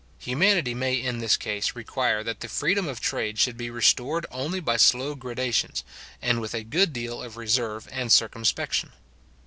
Humanity may in this case require that the freedom of trade should be restored only by slow gradations, and with a good deal of reserve and circumspection.